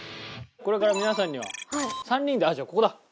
これから皆さんには３人でじゃあここだ。